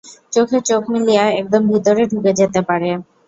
চোখে চোখ মিলিয়ে একদম ভিতরে ঢুকে যেতে পারে।